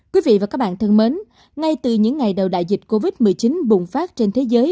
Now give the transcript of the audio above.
quý vị và các bạn thân mến ngay từ những ngày đầu đại dịch covid một mươi chín bùng phát trên thế giới